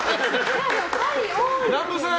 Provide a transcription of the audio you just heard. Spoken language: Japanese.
南部さん